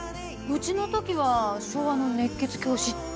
「うちのときは昭和の熱血教師」